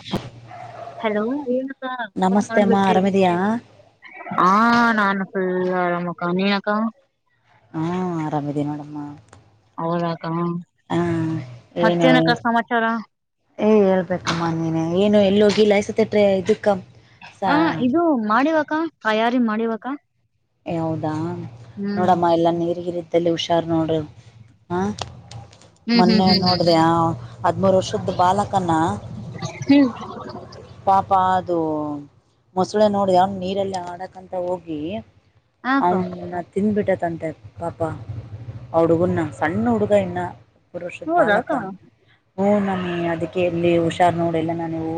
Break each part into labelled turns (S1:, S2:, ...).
S1: ಹ
S2: ಹಲೋ
S1: ನಮಸ್ತೆ ಅಮ್ಮ
S2: ಏನಬೇಕ.
S1: ಆರಾಮಿದಯಾ
S2: ಹಾ ನಾನು ಫುಲ್ ಆರಾಮಕ್ಕಾ ನೀನಕ್ಕಾ.
S1: ಹಾ ಆರಾಮಿದೀ ನೋಡಮ್ಮ.
S2: ಹೌದಾಕ.
S1: ಹಾ ಏನು? ಏ ಹೇಳ್ಬೇಕಮ್ಮ ನೀನ ಏನು ಎಲ್ಲಿಗಿ ಹೋಗಿಲ್ಲಾ ಲಸ ತಟ್ರೆ ಇದಕ್ಕ. ಸ
S2: ಹ ಇದು ಮಾಡಿವಕ್ಕ ತಯಾರಿ ಮಾಡಿವಕ.
S1: ಹೌದ ಯಾವದಾ ನೋಡಮ್ಮ ಎಲ್ಲ ನೀರಿಗಿರಿದ್ದಲ್ಲಿ ಹುಷಾರ ನೋಡರು ಹಾ
S2: ಹ್ಮ್ ಹ್ಮ್
S1: ಮೊನ್ನೆ
S2: ಹ್ಮ್
S1: ನೋಡ್ದ ಹದ್ಮೂರ್ ವರ್ಷದ್ದ ಬಾಲಕನ.
S2: ಹ್ಮ್
S1: ಪಾಪ ಅದು ಮೊಸಳೆ ನೋಡ ಅವ ನೀರಲ್ಲಿ ಆಡಕಂತ ಹೋಗಿ.
S2: ಹಾಕ್ಕ
S1: ಅವನ ತಿಂದ್ಬಿಟ್ಟತಂತೆ ಪಾಪ ಅವ ಹುಡುಗನ್ನ ಸಣ್ಣ ಹುಡುಗ ಇನ್ನ. ಪುರುಷದ ಬಾಲಕ
S2: ಹೌದಾಕ್ಕ.
S1: ಹೂ ನಮಿ ಅದಕ್ಕೆ ಎಲ್ಲಿ ಹುಷಾರ್ ನೋಡಿಲ್ಲ ನಾನ ಹೂ.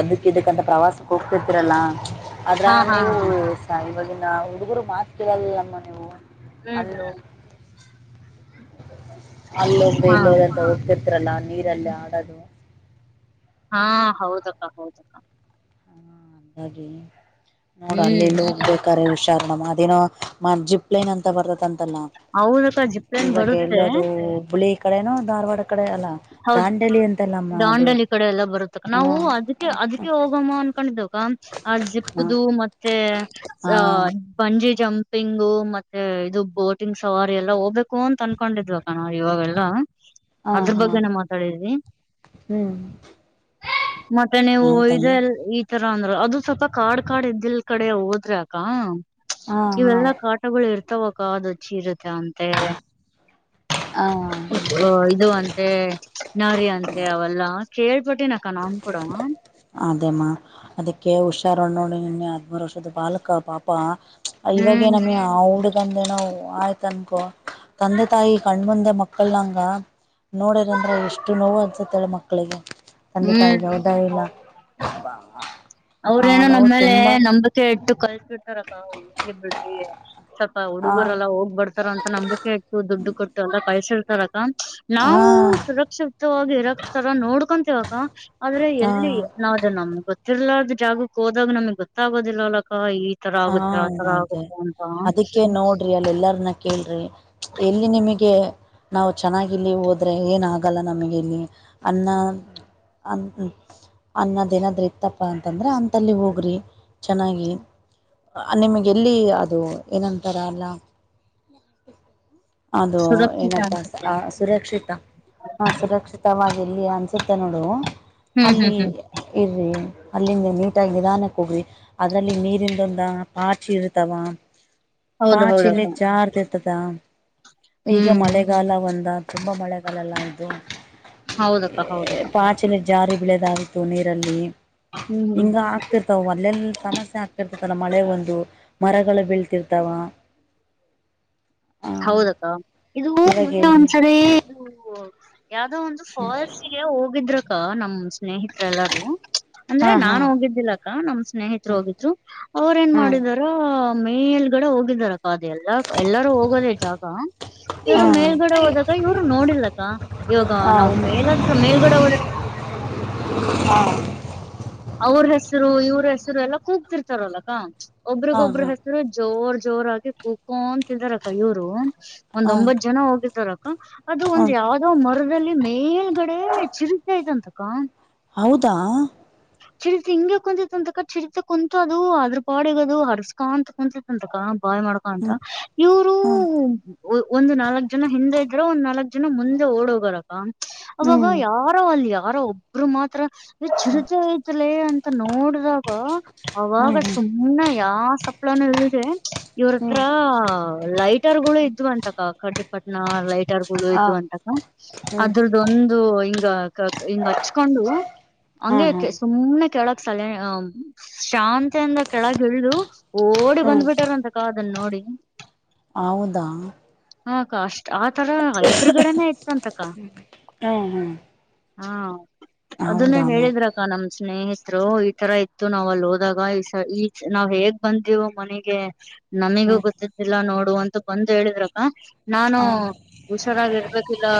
S1: ಅದಕ್ಕ ಇದಕ್ಕಂತ ಪ್ರವಾಸಕ್ಕೆ ಹೋಗ್ತರ್ತಿರಲ್ಲ ಆದದ್ರ
S2: ಹಾ ಹಾ
S1: ನೀವು ಸ ಇವಾಗಿನ. ಹುಡುಗರು ಮಾತಾಲರಲ್ಲಮ್ಮ ನೀವು.
S2: ಹಾ
S1: ಅಲ್ಲು ಅಲ್ಲು ಒಬ್ಬಿ
S2: ಹಾ
S1: ಇಲ್ಲೋರೆಂತ ಗತ್ತ [unintelligible] ಲ್ಲ ನೀರಲ್ಲಿ ಆಡೋದು.
S2: ಹಾ ಹೌದಕ್ಕ ಹೌದಕ್ಕ
S1: ಹಾಗಿ ನೋಡ
S2: ಹ್ಮ್
S1: ಅಲ್ಲಿಲ್ಲಿ ಹೋಗ ಬೇಕಾರೆ ಹುಷಾರಣ ಅದೇನೋ ಜಿಪ್. ಪ್ಲೈನ್ ಅಂತ ಬರ್ತತ್ಂತಲ್ಲ
S2: ಹೌದಕ್ಕ ಜಿಪ್ಲನ್
S1: ಇವಾಗ
S2: ಬರುತ್ತೆ
S1: ಎಲ್ಲದು ಹುಬ್ಬಳಿ ಕಡೆನೂ ಧಾರವಾಡ. ಕಡೆ ಅಲ್ಲ
S2: ಹೌದು
S1: ದಾಂಡೇಲಿ ಅಂತಲ್ಲಮ್ಮ ಅದು
S2: ದಾಂಡಲಿ ಕಡೆ ಎಲ್ಲ ಬರುತ್ತ ನಾವು
S1: ಹಾಂ
S2: ಅದಕ್ಕೆ ಅದಕ್ಕೆ ಹೋಗಮ್ಮ ಅ. ಕ ಕೊಂಡ್ದಕ ಆ
S1: ಹಾಂ
S2: ಜಿಪ್ಪದು ಮತ್ತೆ ಅ.
S1: ಹಾಂ
S2: ಬಂಜಿ ಜಂಪಿಂಗು ಮತ್ತೆ ಇದು ಬೋಟಿಂಗ್ ಸವಾರಿ ಎಲ್ಲ ಹೋಗ್ಬೇಕು ಅಂತ ಅನ್ಕೊಂಡಿದ್ವ. ನೋಡಿ ಇವಾಗೆಲ್ಲ.
S1: ಹಾ ಹಾ.
S2: ಇದನ ಮಾತಾಡಿದ್ವಿ ಮತ್ತೆ ನೀವು.
S1: ಹೌದಮ್ಮ
S2: ರ ಅಂದ್ರ ಅದು ಸ್ವಲ್ಪ ಕಾಡ್ ಕಾಡ್ ಇದ್ದಿಲ್ ಕಡೆ ಹೋದ್ರೆ ಅಕ್ಕಾ
S1: ಹಾ ಹಾ
S2: ಇವೆಲ್ಲಾ ಕಾಡ್. [inaudible] ಕಗಳು ಇರ್ತಾವಕ್ಕ ಅದು ಹಚ್ಚಿ ಇರುತ್ತೆ ಅಂತ.
S1: ಹಾ.
S2: ಇದು ಅಂತೆ ನಾರ ಅಂತೆ ಅವೆಲ್ಲಾ ಕೇಳ್ಪಟ್ಟಿನಕ ನನ್ ಕೂಡ.
S1: ಅದೇಮ್ಮ ಅದಕ್ಕೆ ಹುಷಾರಣ ನೋಡಿ ನಿನ್ನೆ ಹದ್ಮೂರು ವರ್ಷದ ಬಾಲಕ ಪಾಪ.
S2: ಹ್ಮ್
S1: ಇವಾಗೇಏನಮ್ಯಾ. ಆ ಹುಡ್ಗಂದೇನೋ ಆಯ್ತ ಅನ್ಕೊ ತಂದೆ ತಾಯಿ ಕಣ್ಮಂದೆ ಮಕ್ಕಳನಂಗ. ನೋಡರ್ಂದ್ರ ಎಷ್ಟು ನೋವು ಅನ್ಸತ್ತೇಳ ಮಕ್ಕಳಿಗೆ. ತಂದೆ ತಾಯಿಗೆ ಹೌದ ಇಲ್ಲ.
S2: ಹ್ಮ್
S1: ಆ
S2: ಅವ್ರೇನೋ
S1: ನೋವು
S2: ನಮ್ಮೇಲೆ
S1: ತುಂಬಾ
S2: ನಂಬಿಕೆ ಇಟ್ಟು ಕಲ್ಸಿಡ್ತಾರಕ್ಕ ಬಿಡ್ರಿ
S1: ಆ
S2: ಹುಡುಗರೆಲ್ಲ ಹೋಗ್ಬಡ್ತಾರ ಅಂತ ನಂಬಿಕೆ ಇತ್ತು ದುಡ್ಡು ಕೊಟ್ಟು ಎಲ್ಲ ಪೈಸ ಇರ್ತಾರಕ್ಕ
S1: ಹಾ
S2: ನಾವು. ನಿಶಬ್ದವಾಗಿ ಇರ ತರ ನೋಡ್ಕೊಂತಿವಿ ಅಕ್ಕಾ ಆದ್ರೆ ಎಲ್ಲಿ
S1: ಹಾ
S2: ನಾವ ಅದು ನಮ್ ಗೊತ್ತಿರ್ಲ. ಜಾಗಕ್ಕೆ ಹೋದಾಗ ನಮ್ಗ್ ಗೊತ್ತಾಗೋದಿಲ್ಲ ಅಲ್ಲಕ್ಕ ಈ. ತರ
S1: ಹಾ
S2: ಆಗುತ್ತೆ ಆ ತರ
S1: ಅದೇ
S2: ಆಗುತ್ತೆ ಅಂತ
S1: ಅದಕ್ಕೆ ನೋಡ್ರಿ ಅಲ್ಲಿ ಎಲ್ಲರನ್ನ ಕೇಳ್ರಿ ಎಲ್ಲಿ ನಿಮಗ್. ಕೆ ನಾವು ಚೆನ್ನಾಗಿಲ್ಲಿ ಹೋದರೆ ಏನಾಗಲ್ಲ ನಮಗೆ ಇಲ್ಲಿ ಅನ್ನ. ಅನ್ ಅನ್ನದೇಏನಾದೂ ಇತ್ತಪ್ಪ ಅಂತಂದರೆೆ ಅಥಲ್ಲಿ ಹೋಗ್ರಿ ಚೆನ್ನಾಗಿ. ನಿಮಗೆ ಎಲ್ಲಿ ಅದು ಏನಂತರ ಅಲ್ಲ. ಅದು
S2: ಸುರಕ್ಷಿತ
S1: ಏನಪ್ಪಾ
S2: ಅನ್ಸುತ್ತೆ
S1: ಅಂತ ಸುರಕ್ಷಿತ. ನ ಸುರಕ್ಷಿತವಾಗಿ ಎಲ್ಲಿ ಅನಿಸುತ್ತೆ ನೋಡು
S2: ಹ್ಮ್
S1: ಅಲ್ಲಿ.
S2: ಹ್ಮ್ ಹ್ಮ್
S1: ಇರಿ ಅಲ್ಲಿಂದ ನೀಟಾಗಿ ನಿಧಾನಕ್ಕೆ ಹೋಗ್ರಿ ಅದರಲ್ಲಿ ನೀರಿಂದಂದು. ದ ಪಾಚಿ ಇರತವ
S2: ಹೌದ
S1: ಪಾಚಲಿ
S2: ಹೌದಕ್ಕ
S1: ಜಾರ್ ತತದಾ. ಈಗ
S2: ಹ್ಮ್
S1: ಮಳೆಗಾಲ ಒಂದ ತುಂಬಾ ಮಳೆಗಾಲ ಅಲ್ಲ ಇದು.
S2: ಹೌದಕ್ಕ ಹೌದ ಹೌದ.
S1: ಆಕ್ಚುಲಿ ಜಾರಿ ಬೆಳೆದಾಗಿತ್ತು ನೀರಲ್ಲಿ
S2: ಹ್ಮ್ ಹ್ಮ್
S1: ಹಿಂಗ ಹಾಕ್ತಿ ಅಲ್ಲೆಲ್ಲಿ ಸಮಸ್ಯೆ ಆಗ್ತಿರ್ತತಲ ಮಳೆ ಒಂದು ಮರಗಳು ಬೀಳ್ತಿರ್ತಾವ. ಹ
S2: ಹೌದಕ್ಕ ಇದು
S1: ಇವಾಗ
S2: ಮುನೇ
S1: ಎಲ್ಲಿ
S2: ಒಂದ್ಸರಿ ಇ. ಯಾವ್ದೋ ಒಂದು ಫಾಲ್ಸ್ಗೆ ಹೋಗಿದ್ರಕ್ಕ ನಮ ಸ್ನೇಹಿತ್ರೆ ಎಲ್ಲಾರೂ. ಅಂದ್ರೆ
S1: ಹಾ ಹಾ
S2: ನಾನ್ ಹೋಗಿದ್ದಿಲ್ಲಕ್ಕ ನಮ್ ಸ್ನೇಹಿತರು ಹೋಗಿದ್ರು ಅವರ ಏನ್
S1: ಹಾ
S2: ಮಾಡಿದಾರ. ಮೇಲ್ಗಡೆ ಹೋಗಿದ್ದಾರ ಅದ ಎಲ್ಲ. ಅಕ್ಕಾ ಎಲ್ಲರೂ. ಹೋದ ಜಾಗ ಇವ್ರು ಮೇಲ್ಗಡೆ ಹೋದಾಗ ಇವರು ನೋಡಿಲ್ಲ ಅಕ್ಕ ಇವಾಗ
S1: ಹಾ
S2: ನಾವು ಮೇಲ. ಮೇಲ್ಗಡೆ ಹೋದರೆಲ್ಲ.
S1: ಹಾ
S2: ಅವ್ರ ಹೆಸರು ಇವ್ರ ಹೆಸರು ಎಲ್ಲ ಕೂಗ್ತಿರ್ತಾರಲ್ಲಕಾ
S1: ಹಾ
S2: ಒಬ್ರಿಗೊಬ್ಬ್ರ ಹೆಸರು. ಇವರು ಜೋರ್ ಜೋರಾಗಿ ಕುಗಅಂತ ಇದರಕ್ಕ ಇವರು. ಒಂದ್
S1: ಹಾ ಹಾ
S2: ಒಂಬತ್ತು ಜನ ಹೋಗಿದಾರಕ್ಕ ಅದು
S1: ಹಾ
S2: ಒಂದ ಯಾವ. ಅದು ಮರದಲ್ಲಿ ಮೇಲ್ಗಡೆ ಚಿರುತೆ ಇದೆ ಅಂತ ಅಕ್ಕಾ.
S1: ಹೌದಾ.
S2: ಚಿರಿತೆ ಹಿಗೆ ಕುಂತ್ತ್ ಅಂತಕ ಚಿರಿತೆ ಕುಂತ್ ಅದು ಅದ್ರ ಪಾಡಗ ಅದು ಹರ್ಸ್ಕ ಅಂತ ಕುಂಂತ ಅಂದಕ ಬಾಯ್ ಮಾಡ್ಕ. ಆಂತಾ
S1: ಹ್ಮ್
S2: ಇವರು.
S1: ಹ್ಮ್
S2: ಒಂದು ನಾಲ್ಕ್ ಜನ ಹಿಂದೆ ಇದ್ರು ಒಂದ್ ನಾಲ್ಕ್ ಜನ ಮುಂದೆ ಓಡಿ ಹೋಗರಕ್ಕ. ಅವಾಗ
S1: ಹ್ಮ್
S2: ಯಾರೋ ಅಲ್ಲಿ ಯಾರೋ ಒಬ್ರು ಮಾತ್ರ ಚಿರತೆ. ಚಿರತೆ ಅಂತ ನೋಡಿದಾಗ ಅವಾಗ
S1: ಹ್ಮ್ ಹ್ಮ್
S2: ಸು ಇನ್ನ ಯಾವ ಸಪ್ಲೈನ ಇಲ್ದೆ ಇವ್ರತ್ರ
S1: ಹ್ಮ್
S2: ಲೈಟರ್ ಗಳು ಇದ್ವು ಅಂತ ಅಕ್ಕಾ. ಪಟ್ನಾ ಲೈಟರ್
S1: ಆ
S2: ಇದ ಅಂತಕ
S1: ಹ್ಮ್
S2: ಅದ್ರದ್ದ ಒಂದು ಹಿಂಗ ಹಚ್ಚ ಕಣ್ಣು
S1: ಹಾ
S2: ಹಂಗೆ ಕೆ
S1: ಹಾ
S2: ಕೇಸಿ ಕಪ್ ಸುಮ್ನೆ ಕೆಳಗ್ ಸೈಲ ಶಾಂತಿಯಿಂದ ಕೆಳಗ ಇಳ್ದು ಓಡಿ
S1: ಹ್ಮ್
S2: ಬಂದ್ಬಿಟಾರಂತ ಅಕ್ಕಾಅದನ್ ನೋಡಿ
S1: ಹೌದಾ
S2: ಹಾ ಅಕ್ಕಾ ಅಷ್ಟ ಆತರ ಎದುರುಗಡನೇ ಇತ್ತಂತಕ್ಕಾ
S1: ಹ್ಮ್ ಹ್ಮ್
S2: ಹಾ ಅದನ್ನ
S1: ಹೌದಮ್ಮ
S2: ಹೇಳಿದ್ರಕ್ಕಾ ನಮ್ದ ಸ್ನೇಹಿತರು ಈ ತರಾ ಇತ್ತು ನಾವ್ ಅಲ್ಲಿ ಹೋದಾಗ ಈ ಈ ನಾವ್ ಹೇಗ್ ಬಂದೀವ ಮನೆಗೆ ನಮಿಗೂ ಗೊತ್ತಿದ್ದಿಲ್ಲಾ ನೋಡು ಅಂತ ಬಂದು ಹೇಳಿದ್ರಲಾ ನಾನು ಹುಷಾರಾಗಿ ಇಡ್ಬೇಕಿಲ್ಲೋ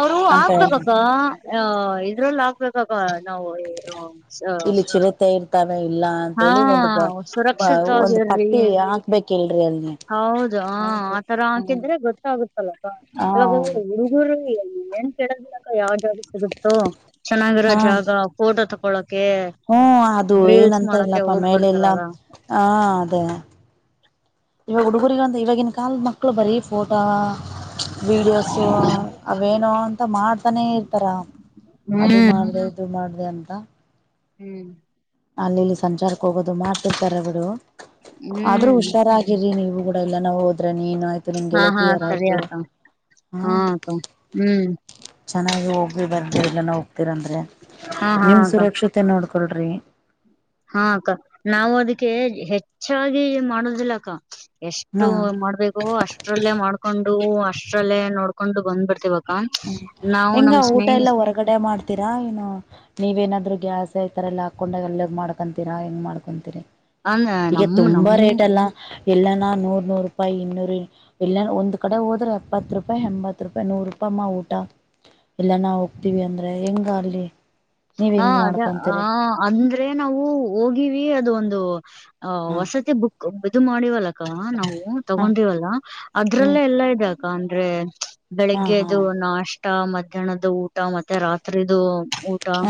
S2: ಅವರು
S1: ಅಂತ
S2: ಹಾಕ್ಬೇಕ ಅಕ್ಕಾಆ ಇದ್ರಲ್ಲಿ ಹಾಕ್ಬೇಕ ನಾವು [unintelligible]
S1: ಇಲ್ಲಿ ಚಿರತೆ ಇರ್ತವೆ ಇಲ್ಲ
S2: ಹಾ
S1: ಅಂತೇಳಿ ಒಂದು ಬ ಬ ಒಂದು
S2: ಸುರಕ್ಷಿತವಾಗಿರ್ರಿ
S1: ಪಟ್ಟಿ ಹಾಕ್ಬೇಕಿಲ್ರಿ ಅಲ್ಲಿ
S2: ಹೌದು ಹ
S1: ಹೌದು
S2: ಆತರ
S1: ಹ್ಮ್
S2: ಹಾಕಿದ್ರೆ ಗೊತ್ತಾಗುತ್ತೆ.
S1: ಹ
S2: [unintelligible] ಹುಡುಗುರು ಏನು [unintelligible] ಯಾವ ಜಾಗ ಸಿಗುತ್ತೋ ಚೆನ್ನಾಗಿರೋ
S1: ಹಾ
S2: ಜಾಗ ಫೋಟೋ ತಕ ಕೊಳಕೆ
S1: ಹ್ಮ ಅದು
S2: ರೀಲ್ಸ್ ಮಾಡಕೆ
S1: ಏನಂತಾರಲ್ಲಪ್ಪ ಮೇಲೆಲ್ಲ
S2: ಹೋಗ್ಬಿಡ್ತಾರಲ್ಲಾ
S1: ಹಾ ಅದೇನೇ ಇವಾಗ ಹುಡುಗರುಗಂತ ಇವಾಗಿನ ಕಾಲದ ಮಕ್ಕಳು ಬರೀ ಫೋಟೋ ವೀಡಿಯೋಸು ಅವೇನೋ ಅಂತ ಮಾಡ್ತಾನೇ ಇರ್ತಾರೆ
S2: ಹ್ಮ್
S1: ಅದು ಮಾಡ್ದ ಇದು ಮಾಡ್ದ ಅಂತಾ
S2: ಹುಂ
S1: ಅಲ್ಲಿ ಇಲ್ಲಿ ಸಂಚಾರಕ್ಕೆ ಹೋಗೋದು ಮಾಡ್ತಿರ್ತಾರೆ ಬಿಡು ಆದ್ರೂ
S2: ಹ್ಮ್
S1: ಹುಷಾರಾ ಇರಿ ನೀವು ಕೂಡಾ ಎಲ್ಲಾ ನಾವು ಹೋದ್ರೆ ನೀನ್ ಆಯ್ತು ನಿಮ್
S2: ಹಾ ಹಾ
S1: ಗೆಳತಿಯರಾಯ್ತು
S2: ಸರಿಯತ ಹಾ ಹುಂ
S1: ಚೆನ್ನಾಗಿ ಹೋಗ್ವಿ ಬರ್ರಿ ಇಲ್ಲನ ಹೋಗ್ತಿರಂದ್ರೆ
S2: ಹಾ ಹಾ
S1: ನಿಮ
S2: ಅಕ್ಕ
S1: ಸುರಕ್ಷತೆ ನೋಡ್ಕೊಳ್ರಿ.
S2: ಹಾ ಅಕ್ಕಾ ನಾವು ಅದಕ್ಕೆ ಹೆಚ್ಚಾಗಿ ಮಾಡುದಿಲ್ಲಾ ಅಕ್ಕಾ ಎಷ್ಟು
S1: ಹಾ
S2: ಮಾಡ್ಬೇಕು ಅಷ್ಟ್ರಲ್ಲೇ ಮಾಡ್ಕೊಂಡು ಅಷ್ಟ್ರಲ್ಲೇ ನೋಡ್ಕೊಂಡು ಬಂದ್ಬಿಡ್ತೇವ ಹಾ ನಮ ಸ್ನೇಹಿತ್
S1: ಗಡೆ ಮಾಡ್ತೀರಾ ಏನ್ನು ನೀವೇನಾದ್ರು ಗ್ಯಾಸ್ ಈ ತರಾ ಎಲ್ಲಾ ಹಾಕೊಂಡ ಎಲ್ಲಾ ಮಾಡ್ಕೊಂತೀರಾ ಹೆಂಗ್ ಮಾಡ್ಕೊಂತೀರಿ
S2: ಅಂದ
S1: ಈಗ
S2: ನಮ್ ನಮ್
S1: ತುಂಬಾ ರೇಟ್ ಅಲ್ಲಾ ಎಲ್ಲಾನು ನೂರ್ ನೂರ್ ರೂಪಾಯಿ ಇನ್ನೂರು ಎಲ್ಲಾ ಒಂದ್ ಕಡೆ ಹೋದ್ರೆ ಎತ್ತು ರೂಪಾಯಿ ಎಂಬತ್ತು ರೂಪಾಯಿ ನೂರು ರೂಪಾಯಿ. ಅಪ್ಪಮ್ಮ ಊಟಾ ಎಲ್ಲಾ ನಾ ಹೋಗ್ತಿವಿ ಅಂದ್ರೆ ಹೆಂಗ ಅಲ್ಲಿ ನೀವ್
S2: ಹಾ
S1: ಹೆಂಗ್
S2: ಅದೇ ಹ
S1: ಮಾಡ್ಕೊಂತೀರಿ
S2: ಅಂದ್ರೆ ನಾವು ಹೋಗಿವಿ ಅದು ಒಂದು ಆಹ
S1: ಹಾ
S2: ವಸತಿ ಬುಕ್ ಇದು ಮಾಡಿವಲ್ಲಕ್ಕಾ ನಾವು
S1: ಹಾ
S2: ತಗೊಂಡಿವಲ್ಲಾ
S1: ಹ್ಮ್
S2: ಅದ್ರಲ್ಲೇ ಎಲ್ಲಾ ಇದೇ ಅಂದ್ರೆ
S1: ಹಾ ಹಾ
S2: ಬೆಳಿಗ್ಗೆದು ನಾಷ್ಟಾ ಊಟಾ ಮಧ್ಯಾಹ್ನದ ಊಟಾ ಮತ್ತೆ ರಾತ್ರಿದು ಊಟಾ
S1: ಹಾ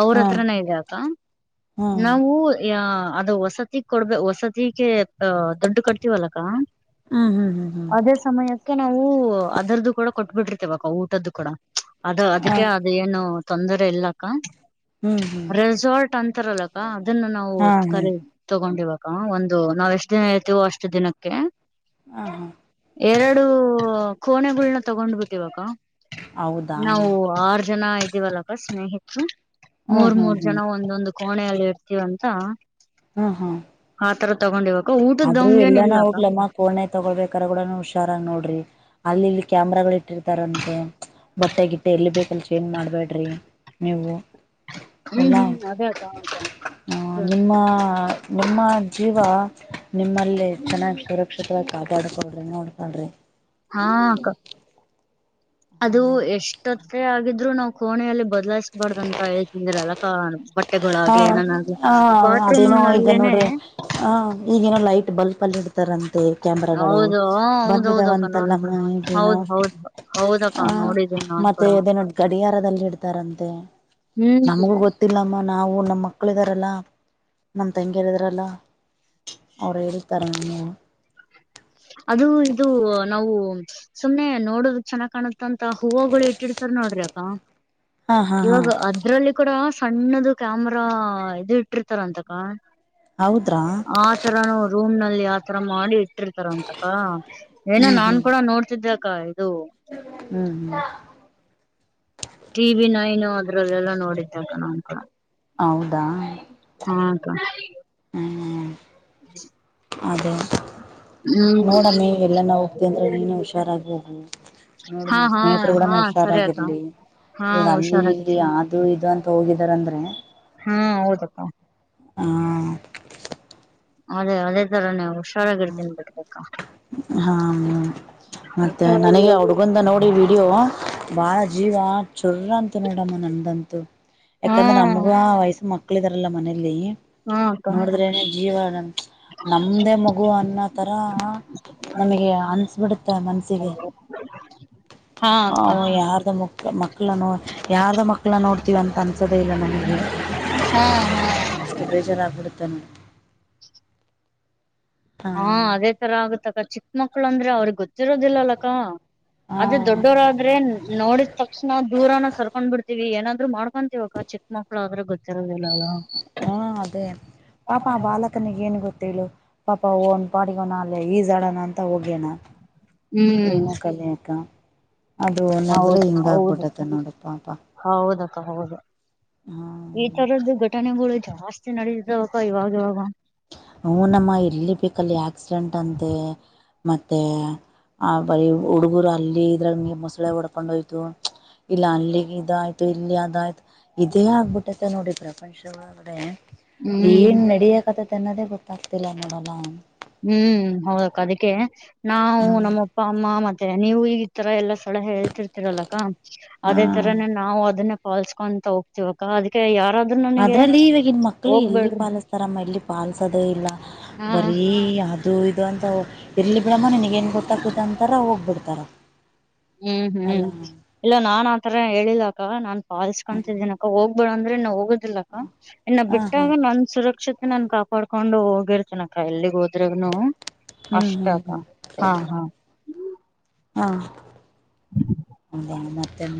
S2: ಅವ್ರ
S1: ಹಾ
S2: ಹತ್ರನ ಇದ್ಯಾಅಕ್ಕಾ
S1: ಹಾ
S2: ನಾವು ಯ ಅದು ವಸತಿಗ್ ಕೊಡ್ಬ ವಸತಿಗೆ ದುಡ್ಡು ಕಟ್ತಿವಲ್ಲಕ್ಕಾ
S1: ಹುಂ ಹುಂ ಹುಂ
S2: ಸಮಯಕ್ಕೆ ನಾವು ಅದರದ್ದು ಕೂಡ ಕೊಟ್ಬಿಟ್ಟಿರ್ತೇವಕಾ ಊಟದ್ದು ಕೂಡ ಅದ
S1: ಹ
S2: ಅದಕ್ಕೆ ಅ ಏನು ತೊಂದರೆ ಇಲ್ಲಕ್ಕಾ
S1: ಹ್ಮ್ ಹ್ಮ್
S2: ರೆಸಾರ್ಟ್ ಅಂತಾರಲ್ಲಕ್ಕಾ ಅದನ್ನ ನಾವು
S1: ಹಾ
S2: ಕರ
S1: ಹ್ಮ್
S2: ತಗೊಂಡಿವ ಅಕ್ಕಾ ಒಂದು ನಾವ್ ಎಷ್ಟ್ ದಿನ ಹೇಳ್ತೀವೋ ಅಷ್ಟ್ ದಿನಕ್ಕೆ
S1: ಆ ಹಾ
S2: ಎರಡು ಕೋಣೆಗಳನ್ನ ತಗೊಂಡ್ಬಿಟ್ಟಿವಕ್ಕ.
S1: ಹೌದಾ
S2: ನಾವು ಆರು ಜನ ಇದ್ದೀವಲ್ಲಕ್ಕ ಸ್ನೇಹಿತರು.
S1: ಹ್ಮ್
S2: ಮೂರ್
S1: ಹ್ಮ್
S2: ಮೂರ್ ಜನ
S1: ಹ್ಮ್
S2: ಒಂದೊಂದು ಕೋಣೆಯಲ್ಲಿ ಇರ್ತೀವಂತ.
S1: [inaudible]
S2: ಆತರ ತಗೊಂಡಿವಕ್ಕ ಊಟದ್ದವಂಗ ಏನ್ ಇಲ್ ಅಕ್ಕ.
S1: ಫೋನ ತಗೊಳ್ಬೇಕಾರ ಗೊಡ ಹುಷಾರಾಗ್ ನೋಡ್ರಿ ಅಲ್ಲಿ ಇಲ್ಲಿ ಕ್ಯಾಮ್ರಾಗಳ ಇಟ್ಟಿರ್ತಾರಂತೆ. ಬಟ್ಟೆಗಿಟ್ಟೆ ಎಲ್ಲಿ ಬೇಕಲ್ಲಿ ಚೇಜ್ ಮಾಡಬೇಡ್ರಿ ನೀವು.
S2: ಹ್ಮ್
S1: ಎಲ್ಲಾ
S2: ಹ್ಮ್ ಅದೇ ಅಕ್ಕ
S1: ನಿಮ್ಮ ನಿಮ್ಮ ಜೀವ ನಿಮ್ಮಲ್ಲಿ ಚೆನ್ನಾಗ್ ಸುರಕ್ಷಿತವಾಗಿ ಕಾಪಡ್ಕೋಳ್ರಿ ನೋಡ್ಕಳ್ರಿ.
S2: ಹಾ ಅದು ಎಷ್ [unintelligible] ಆಗಿದ್ರು ನಾವು ಕೋಣೆಯಲ್ಲಿ ಬದಲಾಯಿಸಬಾಡ್ದ ಅಂತ ಹೇಳ್ತಿಂದಿರಲ್ಲಕ್ಕ
S1: ಹ
S2: ಬಟ್ಟೆಗಳಾಗ್ಲಿ ಏನನಾಗ್ಲಿ
S1: ಹ
S2: ಬಾತ್ರೂಮ್
S1: ಅದೇನೋ ಈಗ
S2: ನಲ್ಲಿೇನೆ
S1: ನೋಡ್ರಿ ಹ ಈಗಏನೋ ಲೈಟ್ ಬಲ್ಪ್ ಅಲ್ಲಿ ಇಡ್ ತರಂತೆ ಕ್ಯಾಮ್ರಾಗಳು
S2: ಹೌದು ಹಾ, ಹೌದೌದು ಅಕ್ಕ ನಾನ್ ಕೂಡ
S1: ಬಂದಿದಾವಂತಲ್ಲಮ್ಮ ಈಗೇನೋ.
S2: ಹೌದ್ ಹೌದ್ ಹೌದಕ್ಕ
S1: ಹ
S2: ನೋಡಿದ್ದೀನಿ ನಾನ್
S1: ಮತ್ತೆ
S2: ಕೂಡ
S1: ಅದೇನೋ ಗಡಿಯಾರದಲ್ಲಿ ಇಡ್ತಾರಂತೆ.
S2: ಹ್ಮ್.
S1: ನಮಗೂ ಗೊತ್ತಿಲ್ಲಮ್ಮ ನಾವು ನಮ್ಮ ಮಕ್ಕಳಿದಾರಲ್ಲಾ. ನಮ್ಮ ತಂಗಿದೇರೆಲ್ಲ ಅವರು ಹೇಳತಾರೆ.
S2: ಅದು ಇದು ನಾವು. ಸುಮ್ನೆ ನೋಡ ಚೆನ್ನ ಕಾಣತಂತ ಹೂವುಗಳು ಇಟ್ಟಿರ್ತಾರ ನೋಡ್ರಿ ಅಕ್ಕ.
S1: ಹಾ ಹಾ ಹಾ
S2: ಇವಾಗ ಅದ್ರಲ್ಲಿ ಕೂಡ ಸಣ್ಣದು ಕ್ಯಾಮರಾ ಇದು ಇಟ್ಟಿರ್ತಾರ ಅಂತಕ್ಕ.
S1: ಹೌದ್ರಾ.
S2: ತರಾ ರೂಮ್ ನಲ್ಲಿ ಆತರ ಮಾಡಿ ಇಟ್ಟಿರ್ತಾರ ಅಂತಕ್ಕ. ಏನೋ
S1: ಹ್ಮ್
S2: ನಾನ್
S1: ಹ್ಮ್
S2: ಕೂಡ ನೋಡ್ [unintelligible] ಅಕ್ಕ ಇದು.
S1: ಹ್ಮ್.
S2: ಟಿ ವಿ ನೈನು ಅದ್ರಲ್ಲೆಲ್ಲ ನೋಡಿದ್ದ ಅಕ್ಕ ನಾನ್ ಕೊಡ.
S1: ಹೌದಾ.
S2: ಹಾ ಅಕ್ಕ.
S1: ಹ್ಮ್ ಅದೇ
S2: ಹ್ಮ್
S1: ನೋಡಮ್ಮಿ ಎಲ್ಲನ ಹೋಗ್ತಿ ಅಂದ್ರೆ ನೀನು ಹುಷಾರಾಗಿ ಹೋಗು. ನೋಡು
S2: ಹಾ
S1: ನಿಮ್
S2: ಹಾ
S1: ಸ್ನೇಹಿತರು
S2: ಹಾ
S1: ಗೊಡನು
S2: ಸರಿ ಅಕ್ಕ
S1: ಹುಷಾರಾಗಿರ್ಲಿ
S2: ಹಾ
S1: ಈಗ ಅಲ್ಲಿ
S2: ಹುಷಾರಾಗಿ
S1: ಇಲ್ಲಿ ಅದು ಇದು ಅಂತ. ಹೋಗಿದಾರಂದ್ರೆ.
S2: ಹ್ಮ ಹೌದಪ್ಪ.
S1: [inaudible]
S2: ಅದೇ ಅದೇ ತರನೆ ಅವು.
S1: ಹ್ಮ ಹಾಮ್ ಮತ್ತೆ ನನಗೆ ಆ ಹುಡ್ಗಂದ ನೋಡಿ ವೀಡಿಯೋ ಬಾಳ ಜೀವ ಚುರ್ ಅಂತ ನೋಡಮ್ಮ ನಂದಂ
S2: ಹಾ
S1: ಯಾಕಂದ್ರೆ ನಮಗೂ ಆ ವಯಸ್ಸ ಮಕ್ಳ ಇದಾರಲ್ಲ ಮನೇಲಿ.
S2: ಹಾ ಅಕ್ಕ
S1: ನೋಡಿದ್ರೆ ನ ಜೀವ ನಮ್ದೇ ಮಗ್ ಗು ಅನ್ನೋತರ ನಮಗೆ ಅನ್ಸಬಿಡುತ್ತೆ ಮನಸ್ಸಿಗೆ.
S2: ಹಾ
S1: ಹ
S2: ಅಕ್ಕ
S1: ಯಾರ್ದ ಮಕ್ಕ ಮಕ್ಕಳನೋ ಯಾರ್ದ ಮಕ್ಕಳನ್ ನೋಡ್ತೀವಿ ಅಂತ ಅನ್ಸದೆೇ ಇಲ್ಲ ನನಗೆ.
S2: ಹಾ
S1: [unintelligible]
S2: ಹಾ ಅದೇ ತರ ಆಗುತ್ತಕ್ಕ ಚಿಕ್ಕ ಮಕ್ಳು ಅಂದ್ರೆ ಅವ್ರಿಗ್ ಗೊತ್ತ ಲ್ಲಲಕ್ಕ ಅದೇ
S1: ಹಾ
S2: ದೊಡ್ಡೋರಾದ್ರೇನ್. ನೋಡಿದ ತಕ್ಷಣ ದೂರನ ಸರ್ಕೊಂಡ್ ಬಿಡ್ತಿವಿ ಏನಾದ್ರು ಮಾಡ್ಕೊಂತವಿ ಅಕ್ಕ. ಚೆಕ್ ಮಕ್ಳು ಆದ್ರೆ ಗ
S1: ಹ್ಮ ಅದೇ ಪಾಪಾ ಆ ಬಾಲ ಕನಿಗೇನು ಗೊತ್ತು ಹೇಳು ಪಾಪ ಅವ್ನ್ ಪಾಡಿಗ್ ಅವ್ನ್ ಅಲ್ಲೇ ಈಜಾಡೋಣ ಅಂತ ಹೋಗ್ಯಣ.
S2: ಹ್ಮ್
S1: ಏನೋ ಕಲಿಯಕ್ಕ ಅದ್ರು [unintelligible]
S2: ಹೌದು
S1: ಹಿಂಗ
S2: ಹೌದು
S1: ಆಗ್ಬಿಟ್ಟೈತೆ ನೋಡು ಪಾಪ.
S2: ಹೌದಕ್ಕ ಹೌದು
S1: ಹಾ
S2: ಈ ತರದ್ದು ಘಟನೆಗಳು ಜಾಸ್ ತಿ ನಡಿತಿದಾವಕ್ಕ ಇವಾಗ್ ಇವಾಗ.
S1: ಹ ನಮ್ಮ ಇರ್ಲಿ ಬೇಕಲ್ಲಿ ಆಕ್ಸಿಡೆಂಟ್ ಅಂತೆ. ಮತ್ತೆ ಆ ಬರೀ ಹುಡುಗರು ಅಲ್ಲಿ ಇದ್ರಾಗ ಮೊಸಳೆ ಹೊಡ್ಕೊಂಡ್ ಹೋಯ್ತು. ಇಲ್ಲ ಅಲ್ಲಿಗ್ ಇದಾಯ್ ಯ್ತು ಇಲ್ಲಿ ಅದಾಯ್ತು ಇದೇ ಆಗ್ಬಿಟ್ಟೈತೆ ನೋಡಿ ಪ್ರಪಂಚ ಒಳಗಡೆ. ಏನ್
S2: ಹ್ಮ್
S1: ನಡಿಯಕಥತೆನ್ನೋದೇ ಗೊತ್ತಾಗ್ತಿಲ್ಲ ನೋಡಲ್ಲ.
S2: ಹ್ಮ್ ಹೌದಕ್ಕ ಅದಿಕ್ಕೆ ನಾವು
S1: ಹ್ಮ್
S2: ನಮ್ಮಪ್ಪ ಅಮ್ಮ ಮತ್ತೆ ನೀವು ಈ ತರ ಎಲ್ಲ ಸ್ ಸಳಹೆ ಹೇಳ್ತಿರ್ತಿರಲ್ಲಕ್ಕ ಅದೇ
S1: ಹಾ
S2: ತರಾನೇ ನಾವು ಅದನ್ನ ಪಾಲ್ಸ್ಕೊಂತ ಹೋಗ್ತಿವಕ್ಕೆ ಅದಕೆ ಯಾರಾ
S1: ಅದ್ರಲ್ಲಿ ಇವಾಗಿನ್ ಮಕ್ಕಳು ಎಲ್ಲಿ ಪಾಲಿಸ್ತಾರಮ್ಮ ಎಲ್ಲಿ ಪಾಲ್ಸೋದೆ ಇಲ್ಲ
S2: ಹ
S1: ಬರೀ ಆದ್ ದು ಇದು ಅಂತ ಇರ್ಲಿ ಬಿಡಮ್ಮ ನಿನಗೆನ್ ಗೊತ್ತಾಗ್ತತ್ ಅಂತಾರ ಹೋಗ್ಬಿಡ್ತಾರ.
S2: ಹ್ಮ್
S1: ಅಲ್ಲ
S2: ಹ್ಮ್ ಇಲ್ಲ ನಾನ್ ಆತರ ಹೇಳಿಲ್ಲ ಅಕ್ಕ ನಾನ್ ಪಾಲ್ಸ್ಕೊಂತಿದಿನ ಕ್ಕ ಹೋಗ್ಬೇಡ ಅಂದ್ರೆ ನಾ ಹೋಗೋದಿಲ್ಲಕ್ಕ ಇನ್ನ
S1: ಹಾ ಹಾ
S2: ಬಿಟ್ಟಾಗ ನನ್ ಸುರಕ್ಷತೆ ನನ್ ಕಾಪ್ ಪಾಡ್ಕೊಂಡು ಹೋಗಿರ್ತನಕ್ಕ ಎಲ್ಲಿಗ್ ಹೋದ್ರನು
S1: ಹ್ಮ್
S2: ಅಷ್ಟ
S1: ಹ್ಮ್
S2: ಅಕ್ಕ
S1: ಹ್ಮ್
S2: ಹಾ ಹಾ
S1: ಹಾ ಹೌದಾ ಮತ್ತೆನ್